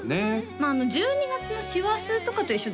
まあ１２月の師走とかと一緒ですよね？